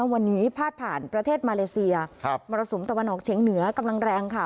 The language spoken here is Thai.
วันนี้พาดผ่านประเทศมาเลเซียมรสุมตะวันออกเฉียงเหนือกำลังแรงค่ะ